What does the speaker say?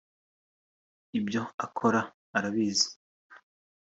ibyo akora arabizi